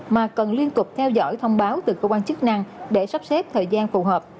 mà cần liên tục theo dõi thông báo từ cơ quan chức năng để sắp xếp thời gian phù hợp